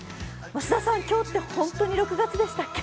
増田さん、今日って本当に６月でしたっけ？